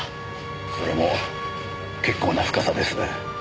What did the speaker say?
それも結構な深さですね。